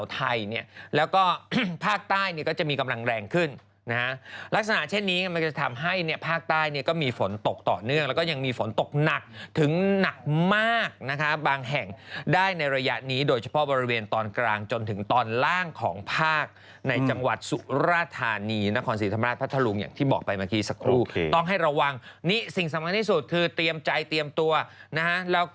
ไทยแล้วก็ภาคใต้ก็จะมีกำลังแรงขึ้นลักษณะเช่นนี้มันจะทำให้ภาคใต้ก็มีฝนตกต่อเนื่องแล้วก็ยังมีฝนตกหนักถึงหนักมากบางแห่งได้ในระยะนี้โดยเฉพาะบริเวณตอนกลางจนถึงตอนล่างของภาคในจังหวัดสุราธานีนครศรีธรรมราชพัทลุงอย่างที่บอกไปเมื่อกี้สักครู่ต้องให้ระวังนี่สิ่งสำ